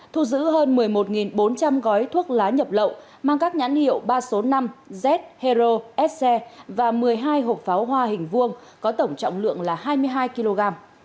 thu giữ hơn một mươi một bốn trăm linh gói thuốc lá nhập lậu mang các nhãn hiệu ba số năm z hero sc và một mươi hai hộp pháo hoa hình vuông có tổng trọng lượng là hai mươi hai kg